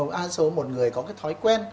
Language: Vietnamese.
đa số một người có cái thói quen